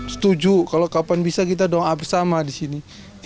setuju kalau kapan bisa kita dong abis sama di sini